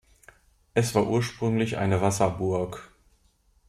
Es war ursprünglich eine Wasserburg.